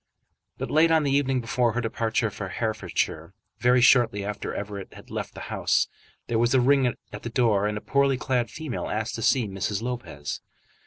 But late on the evening before her departure for Herefordshire, very shortly after Everett had left the house, there was a ring at the door, and a poorly clad female asked to see Mrs. Lopez.